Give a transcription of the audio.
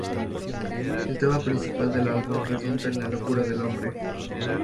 El tema principal del álbum redunda en la locura del hombre.